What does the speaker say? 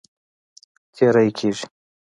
تېری کیږي.